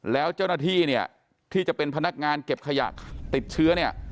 แล้วเจ้าหน้าที่เนี่ยที่จะเป็นพนักงานเก็บขยะติดเชื้อเนี่ย